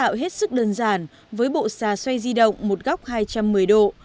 thế giới tạo hết sức đơn giản với bộ xà xoay di động một góc hai trăm một mươi độ